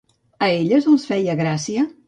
A elles els feia gràcia?